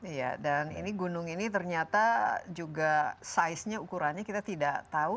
iya dan ini gunung ini ternyata juga size nya ukurannya kita tidak tahu